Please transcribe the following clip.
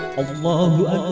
ya udah yuk anak anak